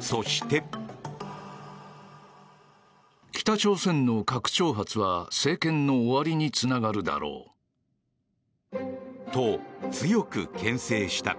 そして。と、強く牽制した。